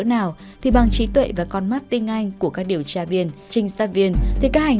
nào thì bằng trí tuệ và con mắt tinh anh của các điều tra viên trinh sát viên thì các hành